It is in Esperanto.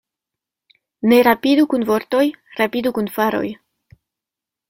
Ne rapidu kun vortoj, rapidu kun faroj.